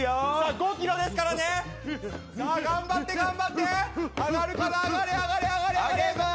５キロですからねさあ頑張って頑張ってフッフッフッ上がるかな上がれ上がれ上げます